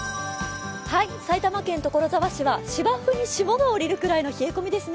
埼玉県所沢市は芝生に霜が降りるくらいの冷え込みですね。